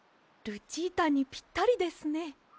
ルチータにぴったりですね。